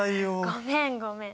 ごめんごめん！